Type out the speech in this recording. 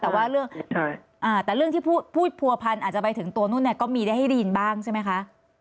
แต่เรื่องที่พูดผัวพันอาจจะไปถึงตัวนู้นก็มีได้ให้ได้ยินบ้างใช่ไหมคะ